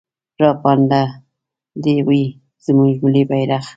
راپانده دې وي زموږ ملي بيرغ.